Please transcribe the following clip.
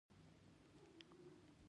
د اور لګیت په واسطه یې روښانه کړئ.